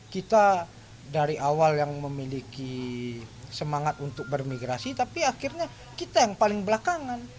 kita dari awal yang memiliki semangat untuk bermigrasi tapi akhirnya kita yang paling belakangan